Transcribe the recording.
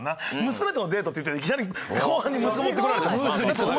娘とのデートって言ってたのにいきなり後半に息子持ってこられてもな。